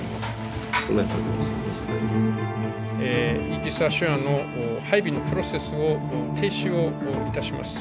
イージス・アショアの配備のプロセスを停止をいたします。